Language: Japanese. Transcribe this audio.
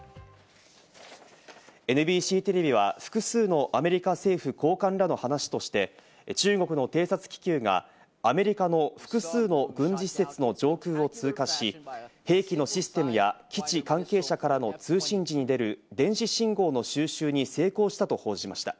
ＮＢＣテレビは複数のアメリカ政府高官らの話として、中国の偵察気球がアメリカの複数の軍事施設の上空を通過し、兵器のシステムや基地関係者からの通信時に出る電子信号の収集に成功したと報じました。